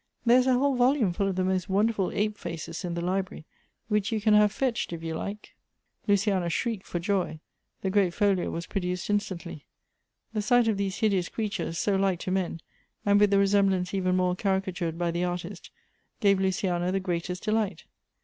" There is a whole volume full of the most wonderful ape faces in the library, which you can have fetched if you like." 182 G O B T H B ' 8 Luciana shrieked for joy. The great folio was pro duced instantly. The sight of these hideous creatures, so like to men, and with the resemblance even more carica tured by the artist, gave Luciana the greatest delight.